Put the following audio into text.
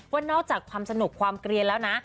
ว่านอกจากความสนุกความเกลียนแล้วนะ